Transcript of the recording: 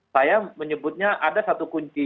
saya menyebutnya ada satu kunci